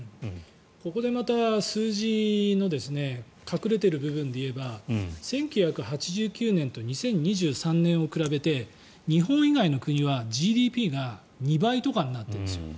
ここでまた数字の隠れている部分で言えば１９８９年と２０２３年を比べて日本以外の国はＧＤＰが２倍とかになってるんです。